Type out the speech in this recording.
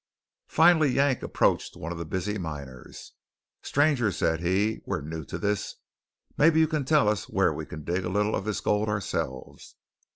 Finally Yank approached one of the busy miners. "Stranger," said he, "we're new to this. Maybe you can tell us where we can dig a little of this gold ourselves."